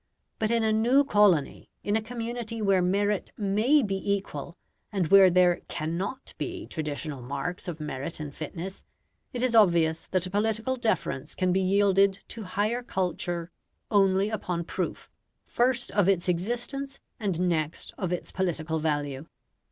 But in a new colony, in a community where merit MAY be equal, and where there CANNOT be traditional marks of merit and fitness, it is obvious that a political deference can be yielded to higher culture only upon proof, first of its existence, and next of its political value.